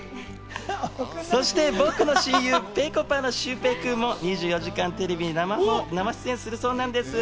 そして僕の親友・ぺこぱのシュウペイ君も『２４時間テレビ』に生出演するそうなんです。